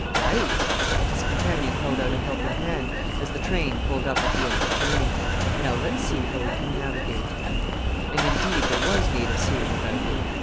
"Right!" and his companion held out a helping hand as the train pulled up at the end of the journey. "Now let's see how we can navigate." And, indeed, there was need of seeing about it.